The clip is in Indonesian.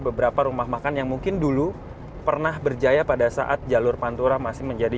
beberapa rumah makan yang mungkin dulu pernah berjaya pada saat jalur pantura masih menjadi